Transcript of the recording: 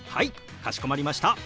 かしこまりました。